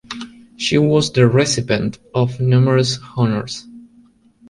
She was the recipient of numerous honors.